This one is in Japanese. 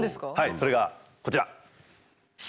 それがこちら。